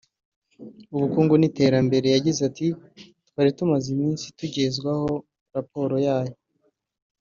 ubukungu n’iterambere yagize ati “ Twari tumaze iminsi tugezwao raporo yayo